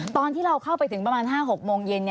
ตอนที่เราเข้าไปถึงประมาณ๕๖โมงเย็น